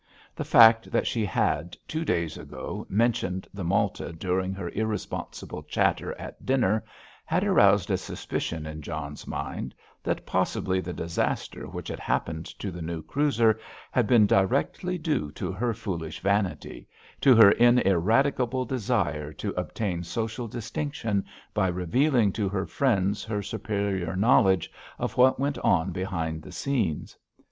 The fact that she had, two days ago, mentioned the Malta during her irresponsible chatter at dinner, had aroused a suspicion in John's mind that possibly the disaster which had happened to the new cruiser had been directly due to her foolish vanity—to her ineradicable desire to obtain social distinction by revealing to her friends her superior knowledge of what went on behind the scenes.